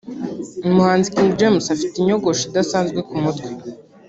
umuhanzi King James afite inyogosho idasanzwe ku mutwe